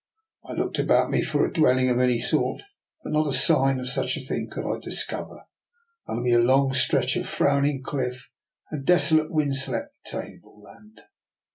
I looked about me for a dwelling of any sort, but not a sign of such a thing could I discover : only, a long stretch of frowning cliff and desolate, wind swept, tableland.